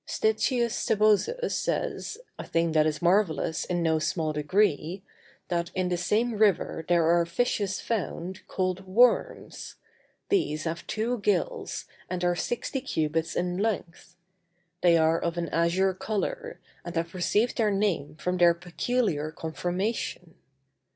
Statius Sebosus says, a thing that is marvellous in no small degree, that in the same river there are fishes found, called worms; these have two gills, and are sixty cubits in length; they are of an azure color, and have received their name from their peculiar conformation.